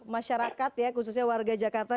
masyarakat khususnya warga jakarta